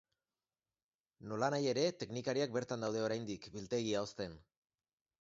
Nolanahi ere, teknikariak bertan daude oraindik, biltegia hozten.